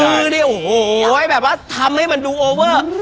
มือเนี่ยโอ้โหเหมือนกับว่าทำให้มันดูโอเวอร์